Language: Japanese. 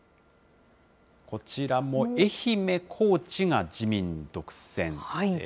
こちらも愛媛、高知が自民独占。